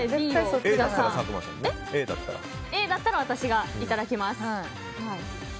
Ａだったら私がいただきます。